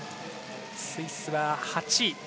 スイスは８位。